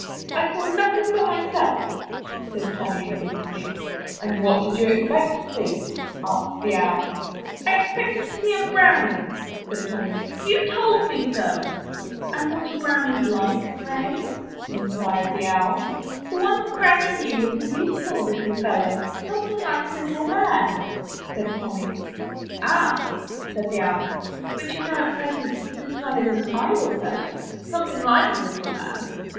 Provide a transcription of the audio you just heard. *'I saw nothing but myself," said Tommy, indig nantly. ''And what did you expect to see?" asked the Owl. 32 UP ONE PAIR OF STAIRS "I expected to see a brownie," said Tommy; ''you told me so/* "And what are brownies like, pray?*' inquired the Owl. *The one Granny knew was a useful little fellow, something like a little man, said Tommy. *'Ah! said the Owl, ''but you know at present this one is an idle fellow, something like a little man.